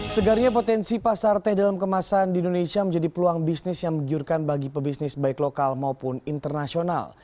segarnya potensi pasar teh dalam kemasan di indonesia menjadi peluang bisnis yang menggiurkan bagi pebisnis baik lokal maupun internasional